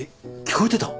聞こえてた？